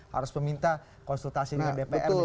harus meminta konsultasi dengan dpr